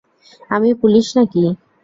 আমি পুলিশ নাকি?